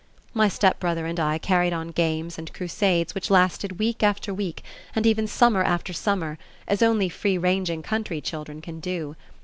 My stepbrother and I carried on games and crusades which lasted week after week, and even summer after summer, as only free ranging country children can do.